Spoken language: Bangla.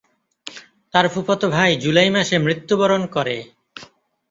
তার ফুফাতো ভাই জুলাই মাসে মৃত্যুবরণ করে।